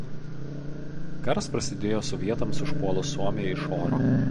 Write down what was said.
Karas prasidėjo sovietams užpuolus Suomiją iš oro.